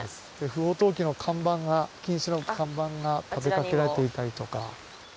不法投棄の禁止の看板が立てかけられていたりとか。